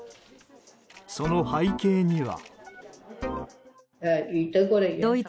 その背景には。